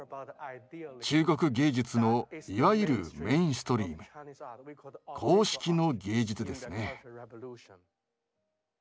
中国芸術のいわゆるメインストリーム「公式の芸術」ですね。